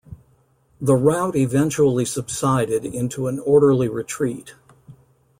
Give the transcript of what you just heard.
The rout eventually subsided into an orderly retreat.